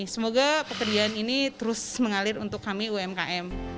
semoga pekerjaan ini terus mengalir untuk kami umkm